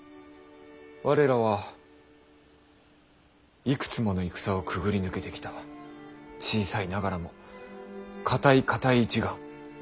我らはいくつもの戦をくぐり抜けてきた小さいながらも固い固い一丸。